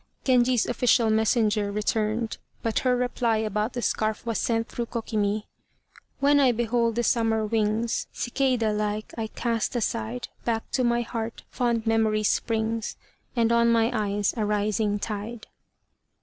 Genji's official messenger returned, but her reply about the scarf was sent through Kokimi: "When I behold the summer wings Cicada like, I cast aside; Back to my heart fond memory springs, And on my eyes, a rising tide."